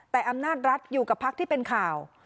แต่อำนาจรัฐอยู่กับพักที่เป็นข่าว